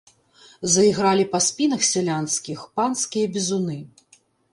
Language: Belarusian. Заігралі па спінах сялянскіх панскія бізуны.